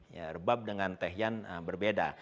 ya rebab dengan tehian berbeda